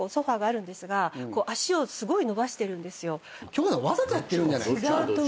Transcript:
恭子さんわざとやってるんじゃないですか？